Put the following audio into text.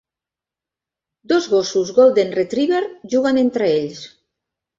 Dos gossos Golden Retriever juguen entre ells.